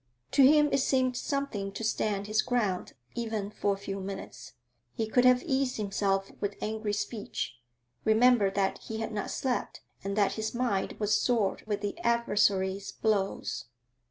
To him it seemed something to stand his ground even for a few minutes. He could have eased himself with angry speech. Remember that he had not slept, and that his mind was sore with the adversary's blows.